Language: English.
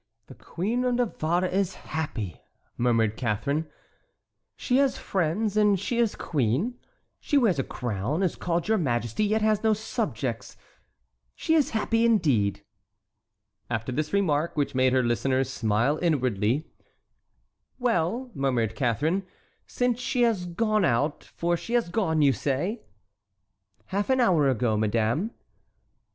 "The Queen of Navarre is happy," murmured Catharine; "she has friends and she is queen; she wears a crown, is called your majesty, yet has no subjects. She is happy indeed." After this remark, which made her listeners smile inwardly: "Well," murmured Catharine, "since she has gone out—for she has gone, you say?" "Half an hour ago, madame."